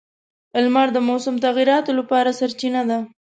• لمر د موسم تغیراتو لپاره سرچینه ده.